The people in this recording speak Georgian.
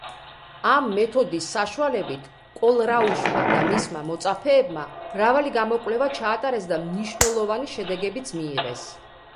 ამ მეთოდის საშუალებით კოლრაუშმა და მისმა მოწაფეებმა მრავალი გამოკვლევა ჩაატარეს და მნიშვნელოვანი შედეგებიც მიიღეს.